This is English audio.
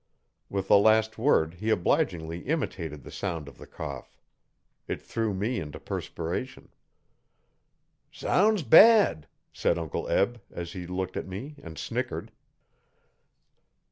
With the last word he obligingly imitated the sound of the cough. It threw me into perspiration. 'Sounds bad,' said Uncle Eb, as he looked at me and snickered.